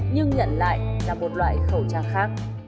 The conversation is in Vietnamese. nhưng nhận lại là một loại khẩu trang khác